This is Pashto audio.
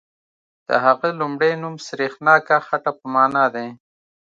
د هغه لومړی نوم سریښناکه خټه په معنا دی.